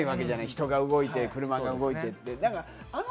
人が動いて車が動いてって。